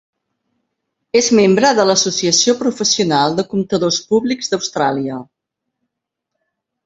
És membre de l'Associació Professional de Comptadors Públics d'Austràlia.